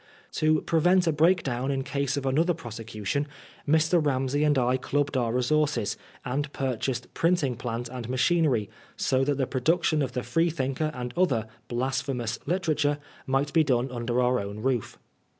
To prevent a br&Bik^own in case of another prose cution, Mr. BaaooLsey and I clubbed our resources, and purchased printing plant and machinery, so that the production of the Freethinker and other ^^blas Xihemous'* literature might be done under our own roof.